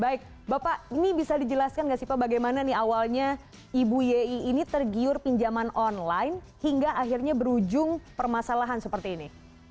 baik bapak ini bisa dijelaskan nggak sih pak bagaimana nih awalnya ibu yei ini tergiur pinjaman online hingga akhirnya berujung permasalahan seperti ini